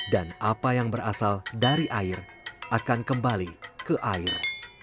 dan apa yang berasal dari air akan kembali ke air